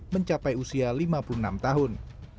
mencapai usia lima puluh enam tahun